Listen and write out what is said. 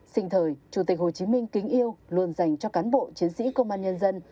sinh thời chủ tịch hồ chí minh kính yêu luôn dành cho cán bộ chiến sĩ công an nhân dân